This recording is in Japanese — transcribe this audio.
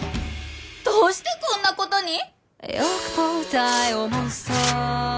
どうしてこんなことに？